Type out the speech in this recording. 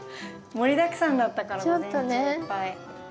盛りだくさんだったから午前中いっぱい。